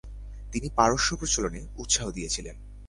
তিনি পারস্যে প্রচলনে উৎসাহ দিয়েছেন।